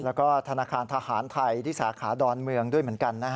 แล้วก็ธนาคารทหารไทยที่สาขาดอนเมืองด้วยเหมือนกัน